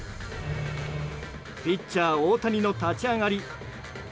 ピッチャー大谷の立ち上がり。